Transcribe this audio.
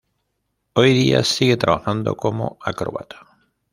Hoy día sigue trabajando como acróbata.